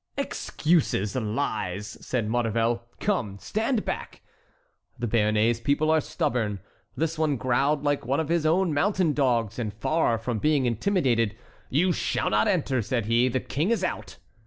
"Excuses, lies!" said Maurevel. "Come, stand back!" The Béarnais people are stubborn; this one growled like one of his own mountain dogs, and far from being intimidated: "You shall not enter," said he; "the king is out."